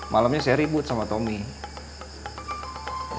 malamnya saya ribut sama tommy